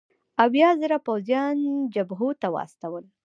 اویا زره پوځیان جبهو ته واستول.